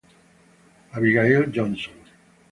Abigail Johnston